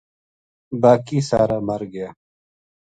باقی سارا مر گیا